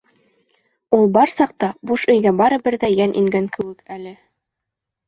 Ул бар саҡта буш өйгә барыбер ҙә йән ингән кеүек әле.